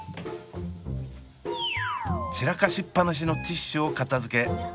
散らかしっぱなしのティッシュを片づけ